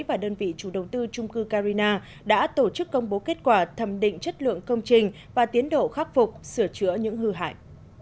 và đơn vị chủ đầu tư trung cư carina đã tổ chức công bố kết quả thẩm định chất lượng công trình và tiến độ khắc phục sửa chữa những hư hại